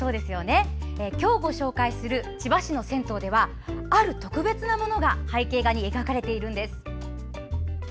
今日ご紹介する千葉市の銭湯ではある特別なものが背景画に描かれているんです。